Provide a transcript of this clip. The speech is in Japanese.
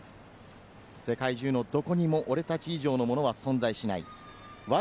世界中のどこにも俺たち以上のものは存在しない。